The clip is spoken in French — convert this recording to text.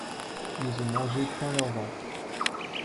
Ils ont mangé plein leur ventre.